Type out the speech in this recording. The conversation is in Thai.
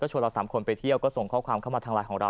ชวนเราสามคนไปที่เที่ยวก็ส่งข้อความของเรา